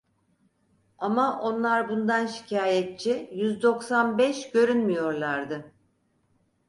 Ama onlar bundan şikayetçi yüz doksan beş görünmüyorlardı.